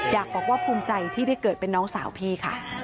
อยากบอกว่าภูมิใจที่ได้เกิดเป็นน้องสาวพี่ค่ะ